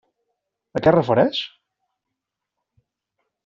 A què es refereix?